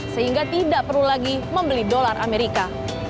sehingga tidak perlu lagi membeli dolar amerika